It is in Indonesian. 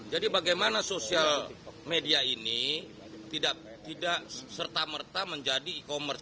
jadi bagaimana sosial media ini tidak serta merta menjadi e commerce